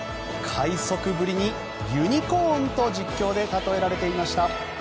快足ぶりに、ユニコーンと実況でたとえられていました。